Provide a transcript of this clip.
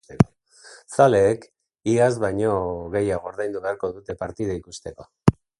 Zaleek iaz baino gehiago ordaindu beharko dute partida ikusteko.